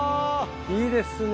いいですね。